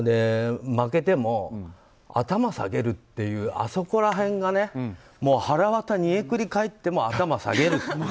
負けても、頭下げるっていうあそこら辺がはらわた煮えくり返っても頭を下げる。